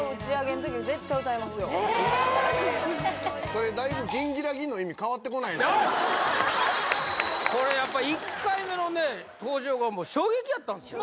それだいぶこれやっぱ１回目のね登場が衝撃やったんですよ